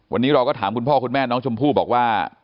วันนี้เราก็ถามคุณพ่อคุณแม่น้องชมพู่บอกว่า